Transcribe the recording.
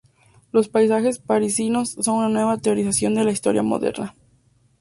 Los paisajes parisinos son una nueva teorización de la historia moderna.